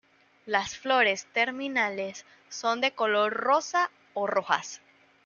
Las flores, terminales, son de color rosa o rojas.